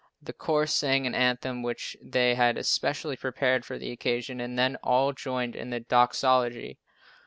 The choir sang an anthem which they had especially prepared for the occasion, and then all joined in the doxology.